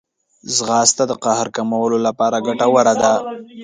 ځغاسته د قهر کمولو لپاره ګټوره ده